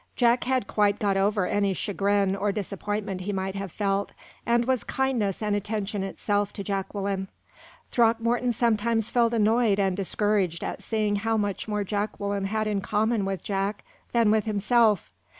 Jack had quite got over any chagrin or disappointment he might have felt, and was kindness and attention itself to Jacqueline. Throckmorton sometimes felt annoyed and discouraged at seeing how much more Jacqueline had in common with Jack than with himself.